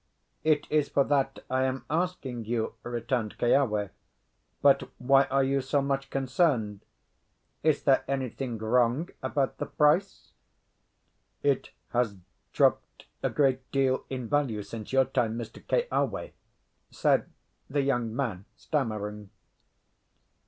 "It is for that I am asking you," returned Keawe. "But why are you so much concerned? Is there anything wrong about the price?" "It has dropped a great deal in value since your time, Mr. Keawe," said the young man stammering.